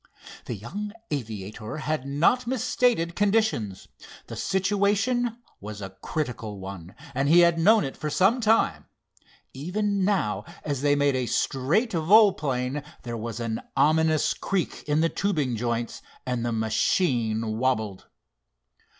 The young aviator had not misstated conditions. The situation was a critical one, and he had known it for some time. Even now, as they made a straight volplane, there was an ominous creak in the tubing joints, and the machine wabbled.